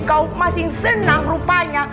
selalu bahagia dunia akhirat